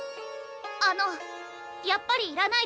あのやっぱりいらないです。